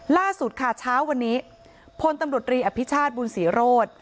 ล่าสุดค่ะเช้าวันนี้พลตำรวจรีอภิชาติบุญศรีโรธ